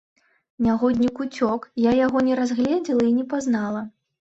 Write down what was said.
Нягоднік уцёк, я яго не разгледзела і не пазнала.